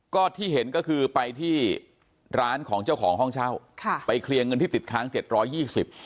ก็ที่เห็นก็คือไปที่ร้านของเจ้าของห้องเช่าค่ะไปเคลียร์เงินที่ติดค้างเจ็ดร้อยยี่สิบ